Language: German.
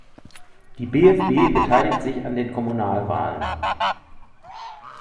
Die BfB beteiligt sich an den Kommunalwahlen.